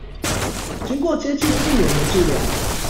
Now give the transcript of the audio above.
經過接近一年的治療